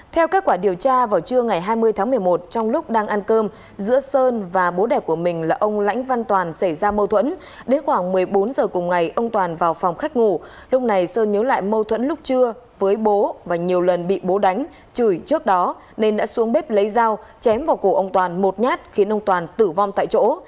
theo các quả điều tra vào trưa ngày hai mươi tháng một mươi một trong lúc đang ăn cơm giữa sơn và bố đẻ của mình là ông lãnh văn toàn xảy ra mâu thuẫn đến khoảng một mươi bốn giờ cùng ngày ông toàn vào phòng khách ngủ lúc này sơn nhớ lại mâu thuẫn lúc trưa với bố và nhiều lần bị bố đánh chửi trước đó nên đã xuống bếp lấy dao chém vào cổ ông toàn một nhát khiến ông toàn tử vong tại chỗ